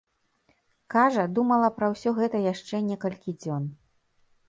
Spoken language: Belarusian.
Кажа, думала пра ўсё гэта яшчэ некалькі дзён.